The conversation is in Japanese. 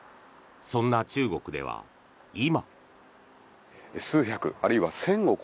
そんな中国では今。